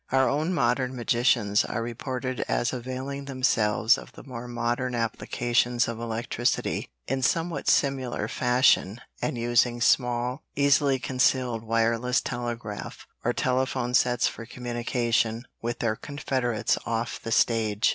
Our own modern magicians are reported as availing themselves of the more modern applications of electricity in somewhat similar fashion and using small, easily concealed wireless telegraph or telephone sets for communication with their confederates off the stage.